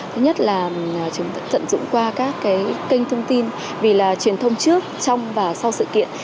thứ nhất là chúng tận dụng qua các kênh thông tin vì là truyền thông trước trong và sau sự kiện